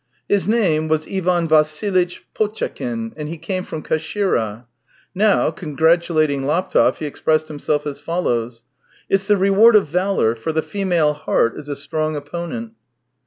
His name was Ivan Vassilitch Potchatkin, and he came from Kashira. Now, congratulating Laptev, he expressed himself as follows :" It's the reward of valour, for the femaJe heart is a strong opponent."